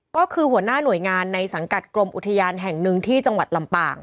ก็คือหัวหน้าหน่วยงานในสังกัดกรมอุทยานแห่งหนึ่งที่จังหวัดลำปาง